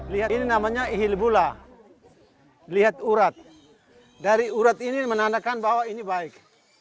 lihat ini namanya ihilbula lihat urat dari urat ini menandakan bahwa ini baik